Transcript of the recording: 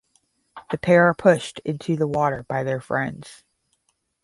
The pair are pushed into the water by their friends.